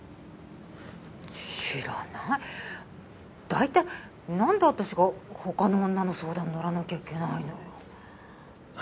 だいたい何で私が他の女の相談乗らなきゃいけないのよ？